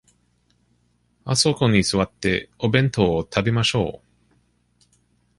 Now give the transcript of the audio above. あそこに座って、お弁当を食べましょう。